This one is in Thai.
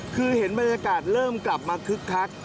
คือเห็นบรรยากาศเริ่มกลับมาคึกคัก